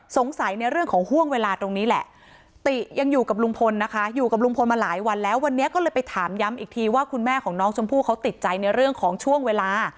ในเรื่องของห่วงเวลาตรงนี้แหละติยังอยู่กับลุงพลนะคะอยู่กับลุงพลมาหลายวันแล้ววันนี้ก็เลยไปถามย้ำอีกทีว่าคุณแม่ของน้องชมพู่เขาติดใจในเรื่องของช่วงเวลา